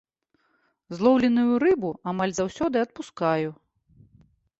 Злоўленую рыбу амаль заўсёды адпускаю.